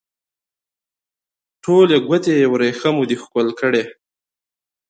ټولې ګوتې یې وریښمو دي ښکل کړي